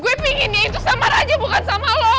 gue pinginnya itu sama raja bukan sama lu